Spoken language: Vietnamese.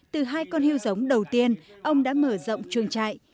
từ hai con hưu giống đầu tiên ông đã mở rộng trường trại